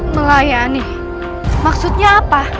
melayani maksudnya apa